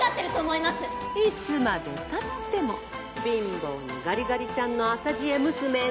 いつまでたっても貧乏のガリガリちゃんの浅知恵娘ね。